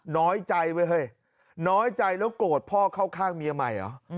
น้อยใจไว้เฮ้ยน้อยใจแล้วโกรธพ่อเข้าข้างเมียใหม่เหรอ